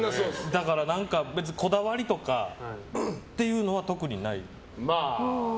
だから何か別にこだわりとかっていうのは特にない。